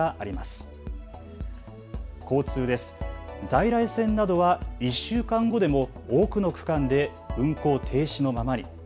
在来線などは１週間後でも多くの区間で運行停止のままに。